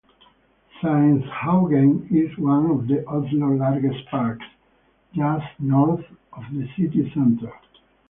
Saint Hanshaugen is one of Oslo's largest parks, just north of the city centre.